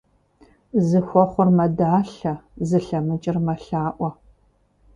Зыхуэхъур мэдалъэ, зылъэмыкӀыр мэлъаӀуэ.